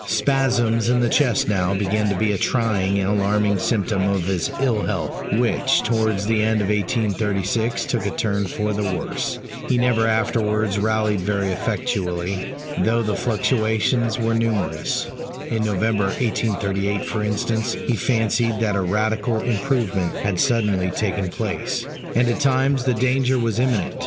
Spasms in the chest now began to be a trying and alarming symptom of his ill health, which, towards the end of 1836, took a turn for the worse; he never afterwards rallied very effectually, though the fluctuations were numerous (in November, 1838, for instance, he fancied that a radical improvement had suddenly taken place) and at times the danger was imminent.